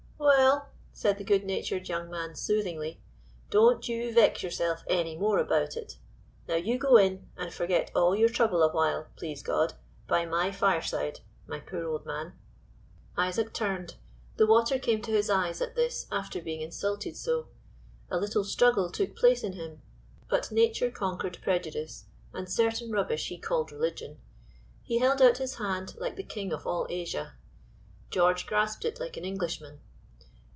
"Well," said the good natured young man soothingly "don't you vex yourself any more about it. Now you go in, and forget all your trouble awhile, please God, by my fireside, my poor old man." Isaac turned, the water came to his eyes at this after being insulted so; a little struggle took place in him, but nature conquered prejudice and certain rubbish he called religion. He held out his hand like the king of all Asia; George grasped it like an Englishman.